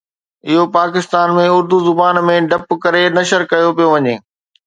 اهو پاڪستان ۾ اردو زبان ۾ ڊب ڪري نشر ڪيو پيو وڃي